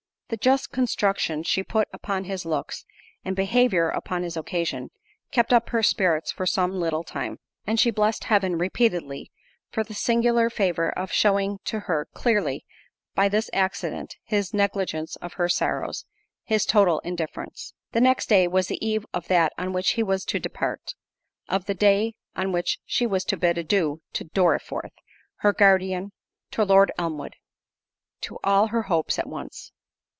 The just construction she put upon his looks and behaviour upon this occasion, kept up her spirits for some little time; and she blessed heaven, repeatedly, for the singular favour of shewing to her, clearly, by this accident, his negligence of her sorrows, his total indifference. The next day was the eve of that on which he was to depart—of the day on which she was to bid adieu to Dorriforth, to her guardian, to Lord Elmwood; to all her hopes at once.